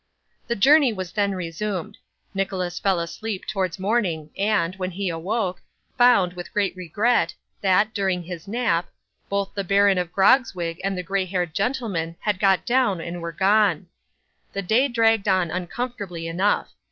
The journey was then resumed. Nicholas fell asleep towards morning, and, when he awoke, found, with great regret, that, during his nap, both the Baron of Grogzwig and the grey haired gentleman had got down and were gone. The day dragged on uncomfortably enough.